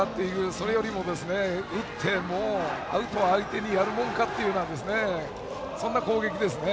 それよりも打ってアウトを相手にやるもんかというそんな攻撃ですね。